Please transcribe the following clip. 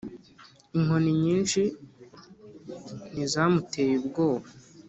Inkoni nyinshi ntizamuteye ubwoba